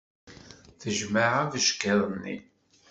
Tejmeɛ abeckiḍ-nni.